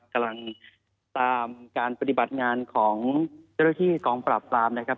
กำลังตามการปฏิบัติงานของเจ้าหน้าที่กองปราบปรามนะครับ